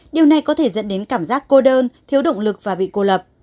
điều này có thể dẫn đến cảm giác cô đơn thiếu động lực và bị cô lập